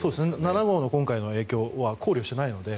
７号の今回の影響は考慮していないので。